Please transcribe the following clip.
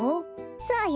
そうよ。